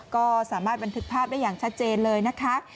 ก็สามารถบันทึกภาพได้อย่างชัดเจนเลยนะคะ